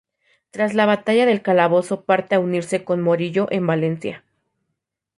Tras la batalla de Calabozo parte a unirse con Morillo en Valencia.